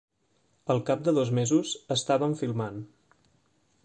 Al cap de dos mesos, estàvem filmant.